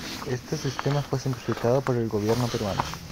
Este sistema fue simplificado por el gobierno peruano.